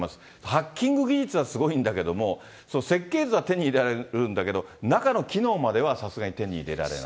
ハッキング技術はすごいんだけども、設計図は手に入れられるんだけれども、中の機能まではさすがに手に入れられない。